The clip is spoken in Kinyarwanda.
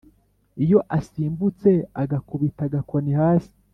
iyo asimbutse agakubita agakoni hasi